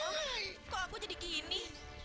oh kok aku jadi gini